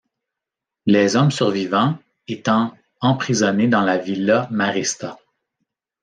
Les hommes survivants étant emprisonnés dans la villa Marista.